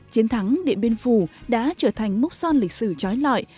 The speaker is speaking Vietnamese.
chiến thắng điện biên phủ đã trở thành mốc son lịch sử trói lọi